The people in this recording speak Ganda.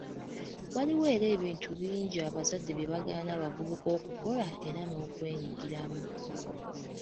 Waliwo era ebintu bingi abazadde bye bagaana abavubuka okukola era n'okwenyigiramu.